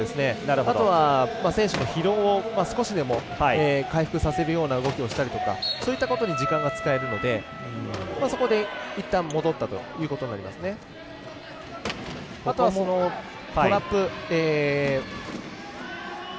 あとは、選手の疲労を少しでも回復させるような動きをしたりとかそういったことに時間が使えるのでそこでいったん戻ったということなんですね。